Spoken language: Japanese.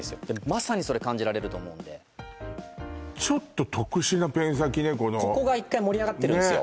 まさにそれ感じられると思うんでちょっとここが一回盛り上がってるんすよ